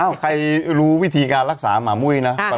ใครรู้วิธีการรักษาหมามุ้ยนะ